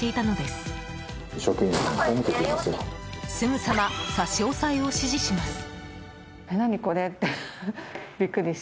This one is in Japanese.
すぐさま差し押さえを指示します。